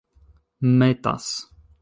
metas